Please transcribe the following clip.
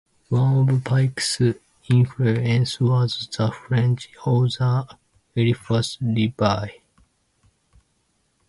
One of Pike's influences was the French author Eliphas Levi.